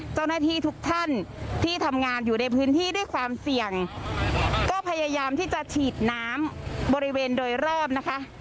เจ้าหน้าที่ทุกท่านที่ทำงานอยู่ในพื้นที่ด้วยความเสี่ยงก็พยายามที่จะฉีดน้ำบริเวณโดยรอบนะคะ